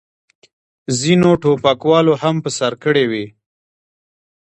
ځینو ټوپکوالو هم په سر کړې وې.